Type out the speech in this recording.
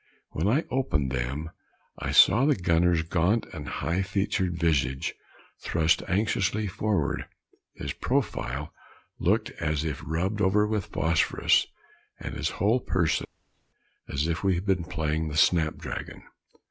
When I opened them, I saw the gunner's gaunt and high featured visage thrust anxiously forward; his profile looked as if rubbed over with phosphorus, and his whole person as if we had been playing at snap dragon.